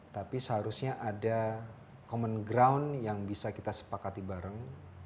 tapi seharusnya ada common ground yang bisa kita sepakati bareng